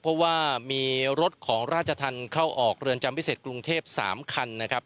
เพราะว่ามีรถของราชธรรมเข้าออกเรือนจำพิเศษกรุงเทพ๓คันนะครับ